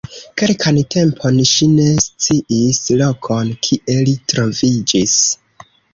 Kelkan tempon ŝi ne sciis lokon, kie li troviĝis.